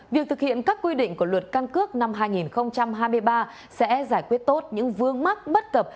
việc thực hiện các quy định của luật căn cước năm hai nghìn hai mươi ba sẽ giải quyết tốt những vương mắc bất cập